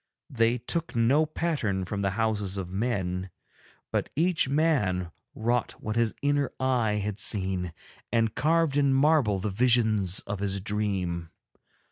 They took no pattern from the houses of men, but each man wrought what his inner eye had seen and carved in marble the visions of his dream.